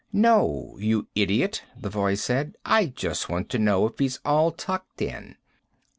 "No, you idiot," the voice said. "I just want to know if he's all tucked in."